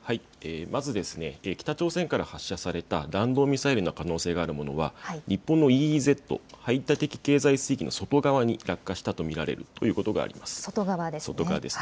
まず北朝鮮から発射された弾道ミサイルの可能性があるものは日本のＥＥＺ・排他的経済水域の外側に落下したと見られるということがあります。